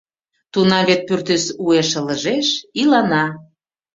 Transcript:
— Тунам вет пӱртӱс уэш ылыжеш, илана.